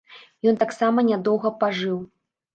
Ён таксама нядоўга пажыў.